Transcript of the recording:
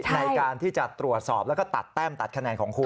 ในการที่จะตรวจสอบแล้วก็ตัดแต้มตัดคะแนนของคุณ